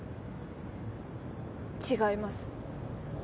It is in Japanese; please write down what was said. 違います